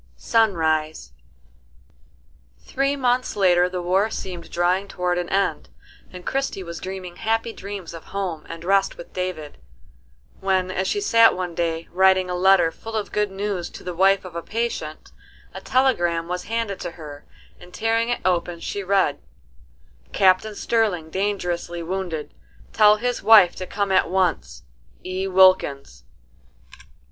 SUNRISE. Three months later the war seemed drawing toward an end, and Christie was dreaming happy dreams of home and rest with David, when, as she sat one day writing a letter full of good news to the wife of a patient, a telegram was handed to her, and tearing it open she read: "Captain Sterling dangerously wounded. Tell his wife to come at once. E. WILKINS."